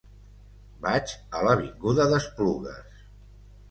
Vaig a l'avinguda d'Esplugues.